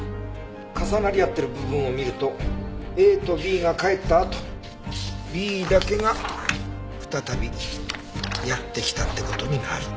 重なり合ってる部分を見るとＡとＢが帰ったあとＢだけが再びやって来たって事になる。